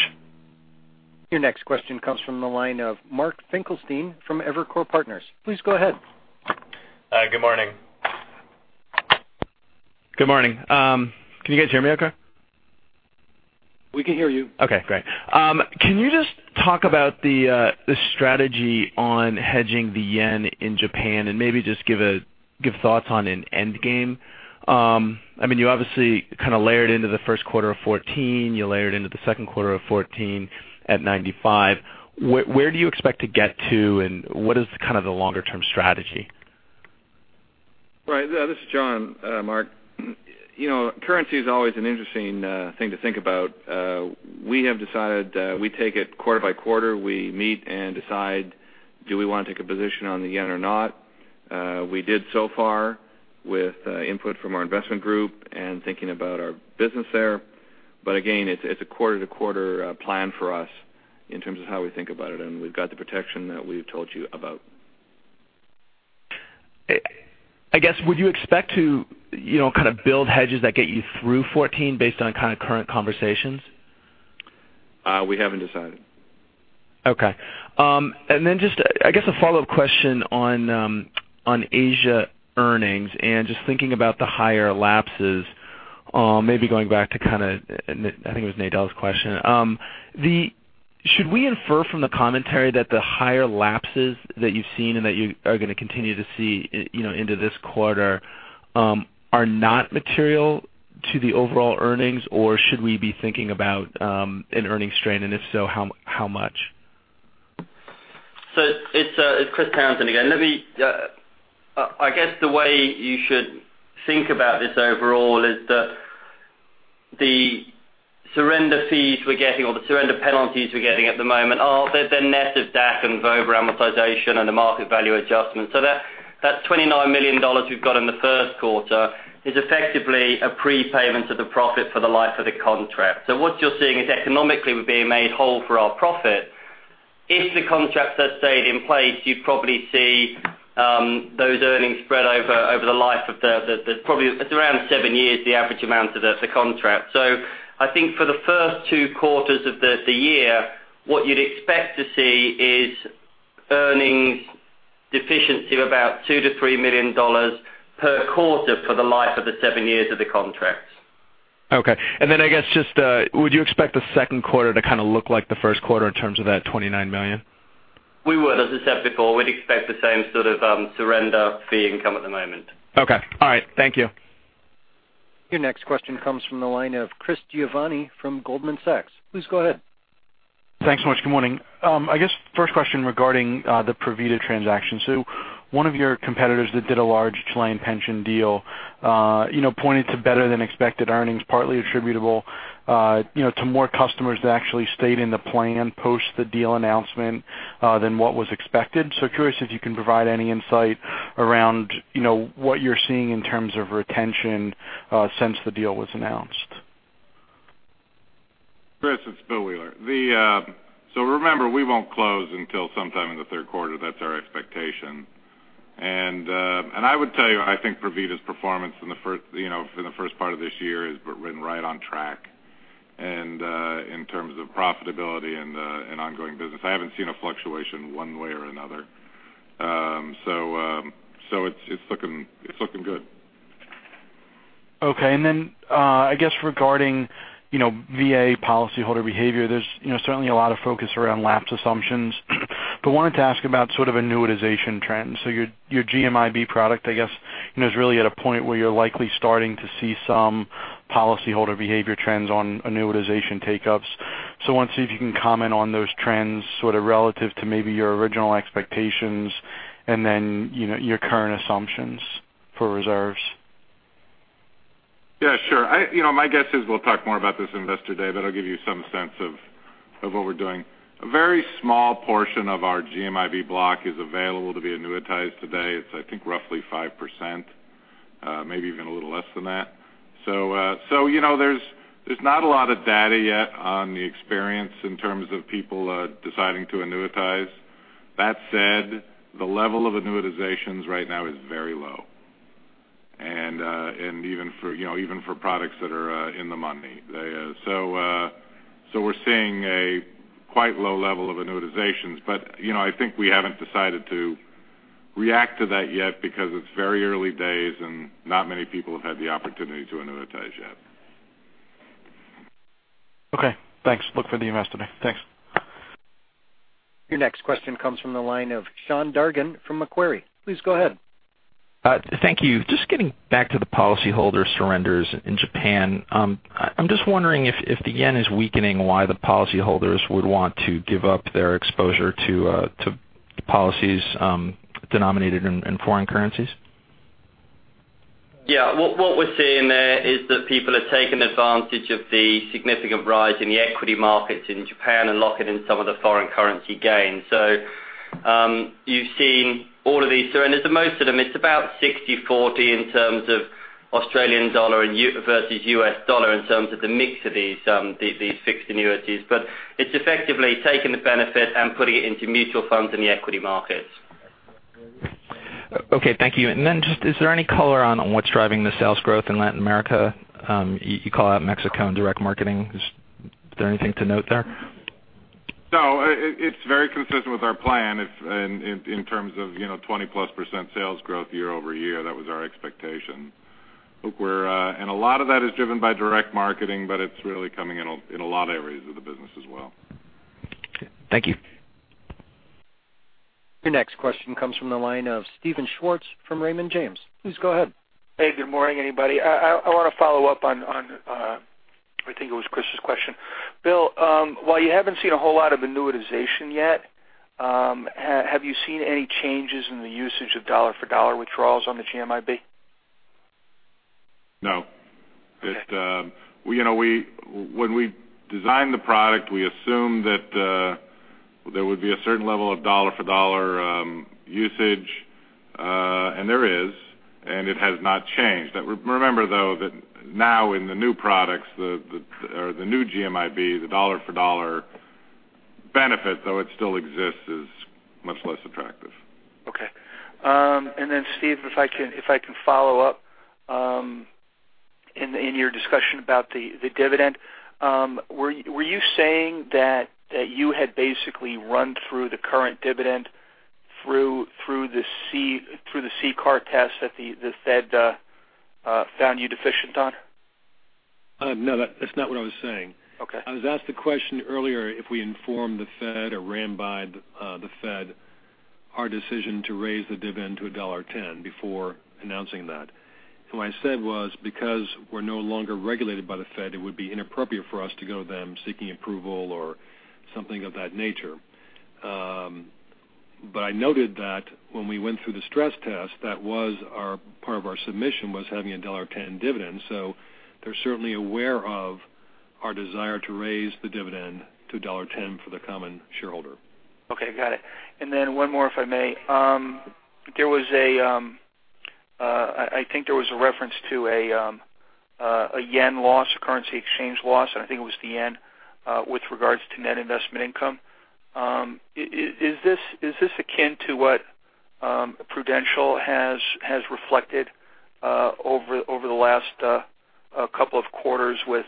Your next question comes from the line of Mark Finkelstein from Evercore Partners. Please go ahead. Good morning. Good morning. Can you guys hear me okay? We can hear you. Okay, great. Can you just talk about the strategy on hedging the yen in Japan and maybe just give thoughts on an end game? I mean, you obviously kind of layered into the first quarter of 2014, you layered into the second quarter of 2014 at 95. Where do you expect to get to, and what is kind of the longer-term strategy? Right. This is John, Mark. Currency is always an interesting thing to think about. We have decided we take it quarter by quarter. We meet and decide, do we want to take a position on the JPY or not? We did so far with input from our investment group and thinking about our business there. Again, it's a quarter-to-quarter plan for us in terms of how we think about it, and we've got the protection that we've told you about. I guess, would you expect to kind of build hedges that get you through 2014 based on kind of current conversations? We haven't decided. Okay. Just, I guess a follow-up question on Asia earnings and just thinking about the higher lapses, maybe going back to kind of, I think it was Nadel's question. Should we infer from the commentary that the higher lapses that you've seen and that you are going to continue to see into this quarter are not material to the overall earnings? Should we be thinking about an earnings strain? If so, how much? It's Chris Townsend again. I guess the way you should think about this overall is the surrender fees we're getting or the surrender penalties we're getting at the moment are the net of DAC and VOBA amortization and the market value adjustments. That $29 million we've got in the first quarter is effectively a prepayment of the profit for the life of the contract. What you're seeing is, economically, we're being made whole for our profit. If the contracts had stayed in place, you'd probably see those earnings spread over the life of the contract. Probably, it's around seven years, the average amount of the contract. I think for the first two quarters of the year, what you'd expect to see is earnings deficiency of about $2 million-$3 million per quarter for the life of the seven years of the contracts. Okay. I guess just, would you expect the second quarter to kind of look like the first quarter in terms of that $29 million? We would. As I said before, we'd expect the same sort of surrender fee income at the moment. Okay. All right. Thank you. Your next question comes from the line of Chris Giovanni from Goldman Sachs. Please go ahead. Thanks so much. Good morning. I guess first question regarding the Provida transaction. One of your competitors that did a large Chilean pension deal pointed to better than expected earnings, partly attributable to more customers that actually stayed in the plan post the deal announcement, than what was expected. Curious if you can provide any insight around what you're seeing in terms of retention, since the deal was announced. Chris, it's Bill Wheeler. Remember, we won't close until sometime in the third quarter. That's our expectation. I would tell you, I think Provida's performance for the first part of this year has been right on track. In terms of profitability and ongoing business, I haven't seen a fluctuation one way or another. It's looking good. Okay. Regarding VA policyholder behavior, there's certainly a lot of focus around lapse assumptions, but wanted to ask about sort of annuitization trends. Your GMIB product, I guess, is really at a point where you're likely starting to see some policyholder behavior trends on annuitization take-ups. I wanted to see if you can comment on those trends sort of relative to maybe your original expectations and then your current assumptions for reserves. Yeah, sure. My guess is we'll talk more about this Investor Day, but I'll give you some sense of what we're doing. A very small portion of our GMIB block is available to be annuitized today. It's, I think, roughly 5%, maybe even a little less than that. There's not a lot of data yet on the experience in terms of people deciding to annuitize. That said, the level of annuitizations right now is very low. Even for products that are in the money. We're seeing a quite low level of annuitizations. I think we haven't decided to react to that yet because it's very early days and not many people have had the opportunity to annuitize yet. Okay, thanks. Look for the Investor Day. Thanks. Your next question comes from the line of Sean Dargan from Macquarie. Please go ahead. Thank you. Just getting back to the policyholder surrenders in Japan. I'm just wondering if the yen is weakening, why the policyholders would want to give up their exposure to policies denominated in foreign currencies? What we're seeing there is that people are taking advantage of the significant rise in the equity markets in Japan and locking in some of the foreign currency gains. You've seen all of these surrenders, or most of them. It's about 60/40 in terms of AUD versus USD in terms of the mix of these fixed annuities. It's effectively taking the benefit and putting it into mutual funds in the equity markets. Okay, thank you. Is there any color on what's driving the sales growth in Latin America? You call out Mexico and direct marketing. Is there anything to note there? No. It's very consistent with our plan in terms of 20+% sales growth year-over-year. That was our expectation. A lot of that is driven by direct marketing, but it's really coming in a lot of areas of the business as well. Thank you. Your next question comes from the line of Steven Schwartz from Raymond James. Please go ahead. Hey, good morning, everybody. I want to follow up on, I think it was Chris's question. Bill, while you haven't seen a whole lot of annuitization yet, have you seen any changes in the usage of dollar-for-dollar withdrawals on the GMIB? No. Okay. When we designed the product, we assumed that there would be a certain level of dollar-for-dollar usage, and there is, and it has not changed. Remember, though, that now in the new products, or the new GMIB, the dollar-for-dollar benefit, though it still exists, is much less attractive. Okay. Steve, if I can follow up. In your discussion about the dividend, were you saying that you had basically run through the current dividend through the CCAR test that the Fed found you deficient on? No. That's not what I was saying. Okay. I was asked the question earlier if we informed the Fed or ran by the Fed our decision to raise the dividend to $1.10 before announcing that. What I said was, because we're no longer regulated by the Fed, it would be inappropriate for us to go to them seeking approval or something of that nature. I noted that when we went through the stress test, part of our submission was having a $1.10 dividend. They're certainly aware of our desire to raise the dividend to $1.10 for the common shareholder. Okay, got it. Then one more, if I may. I think there was a reference to a yen loss, a currency exchange loss, and I think it was the yen with regards to net investment income. Is this akin to what Prudential has reflected over the last couple of quarters with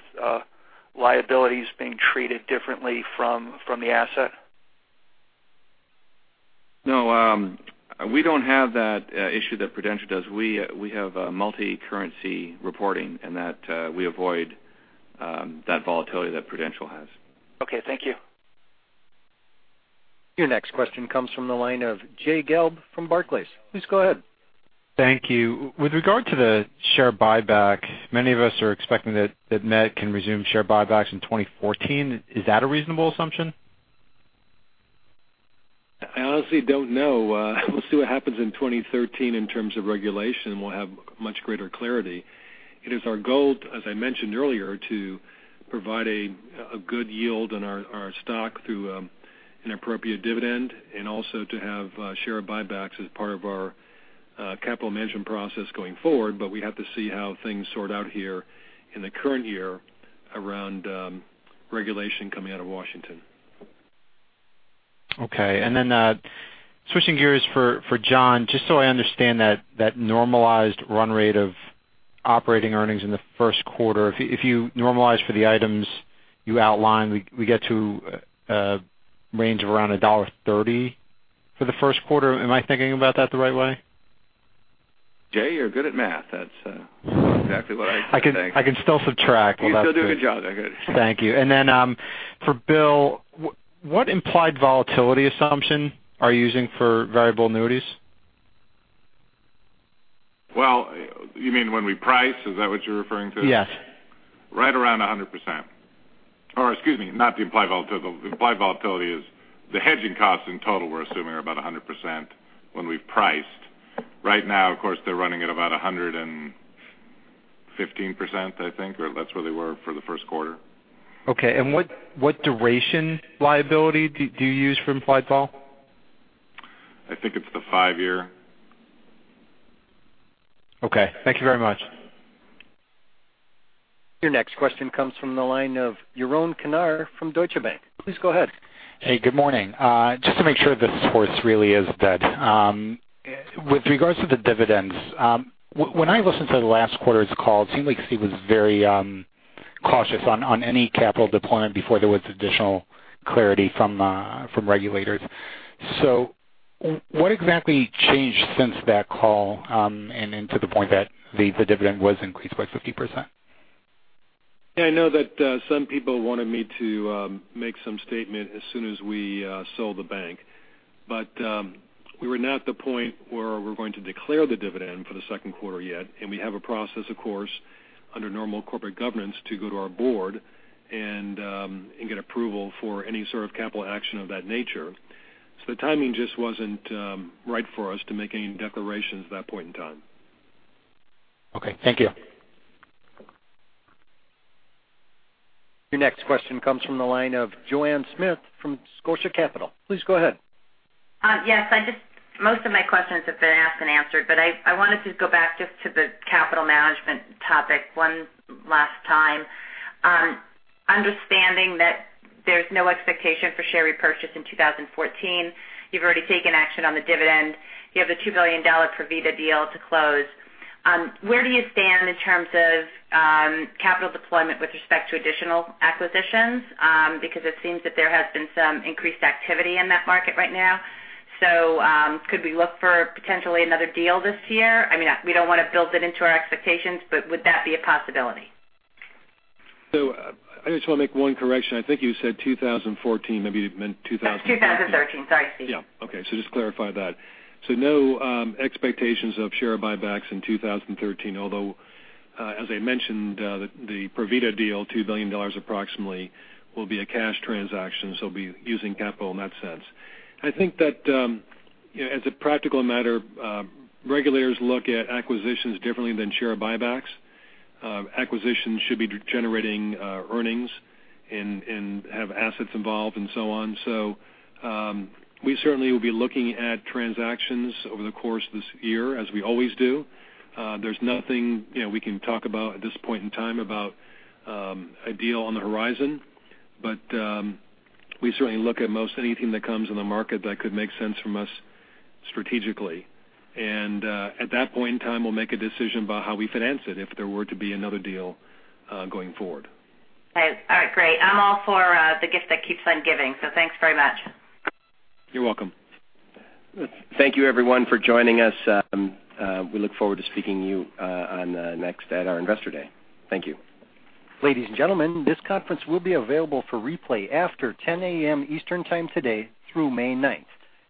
liabilities being treated differently from the asset? No, we don't have that issue that Prudential does. We have multi-currency reporting, and we avoid that volatility that Prudential has. Okay. Thank you. Your next question comes from the line of Jay Gelb from Barclays. Please go ahead. Thank you. With regard to the share buyback, many of us are expecting that Met can resume share buybacks in 2014. Is that a reasonable assumption? I honestly don't know. We'll see what happens in 2013 in terms of regulation. We'll have much greater clarity. It is our goal, as I mentioned earlier, to provide a good yield on our stock through an appropriate dividend, and also to have share buybacks as part of our capital management process going forward, but we have to see how things sort out here in the current year around regulation coming out of Washington. Switching gears for John. Just so I understand that normalized run rate of operating earnings in the first quarter. If you normalize for the items you outlined, we get to a range of around $1.30 for the first quarter. Am I thinking about that the right way? Jay, you're good at math. That's exactly what I'd say. I can still subtract. You still do a good job there. Go ahead. Thank you. Then for Bill, what implied volatility assumption are you using for variable annuities? Well, you mean when we price, is that what you're referring to? Yes. Right around 100%. Excuse me, not the implied volatility. The implied volatility is the hedging costs in total, we're assuming, are about 100% when we've priced. Right now, of course, they're running at about 115%, I think, or that's where they were for the first quarter. Okay, what duration liability do you use for implied vol? I think it's the five year. Okay. Thank you very much. Your next question comes from the line of Jeroen van der Eerden from Deutsche Bank. Please go ahead. Hey, good morning. Just to make sure this horse really is dead. With regards to the dividends, when I listened to the last quarter's call, it seemed like Steve was very cautious on any capital deployment before there was additional clarity from regulators. What exactly changed since that call, and then to the point that the dividend was increased by 50%? I know that some people wanted me to make some statement as soon as we sold the bank. We were not at the point where we're going to declare the dividend for the second quarter yet. We have a process, of course, under normal corporate governance to go to our board and get approval for any sort of capital action of that nature. The timing just wasn't right for us to make any declarations at that point in time. Okay, thank you. Your next question comes from the line of Joanne Smith from Scotia Capital. Please go ahead. Yes. Most of my questions have been asked and answered. I wanted to go back just to the capital management topic one last time. Understanding that there's no expectation for share repurchase in 2014, you've already taken action on the dividend. You have the $2 billion Provida deal to close. Where do you stand in terms of capital deployment with respect to additional acquisitions? Because it seems that there has been some increased activity in that market right now. Could we look for potentially another deal this year? We don't want to build it into our expectations, but would that be a possibility? I just want to make one correction. I think you said 2014. Maybe you meant 2013. 2013. Sorry, Steve. Yeah. Okay, just clarify that. No expectations of share buybacks in 2013, although, as I mentioned, the Provida deal, $2 billion approximately, will be a cash transaction, so we'll be using capital in that sense. I think that as a practical matter, regulators look at acquisitions differently than share buybacks. Acquisitions should be generating earnings and have assets involved and so on. We certainly will be looking at transactions over the course of this year, as we always do. There's nothing we can talk about at this point in time about a deal on the horizon, but we certainly look at most anything that comes on the market that could make sense from us strategically. At that point in time, we'll make a decision about how we finance it if there were to be another deal going forward. Okay. All right, great. I'm all for the gift that keeps on giving, so thanks very much. You're welcome. Thank you everyone for joining us. We look forward to speaking to you next at our Investor Day. Thank you. Ladies and gentlemen, this conference will be available for replay after 10:00 A.M. Eastern Time today through May 9th.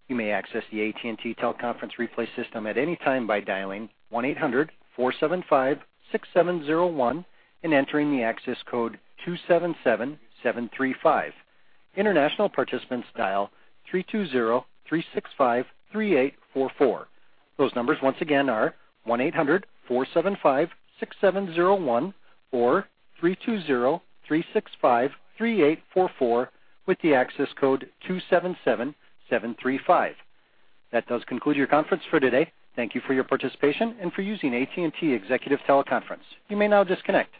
You may access the AT&T teleconference replay system at any time by dialing 1-800-475-6701 and entering the access code 277735. International participants dial 3203653844. Those numbers once again are 1-800-475-6701 or 3203653844 with the access code 277735. That does conclude your conference for today. Thank you for your participation and for using AT&T Executive Teleconference. You may now disconnect.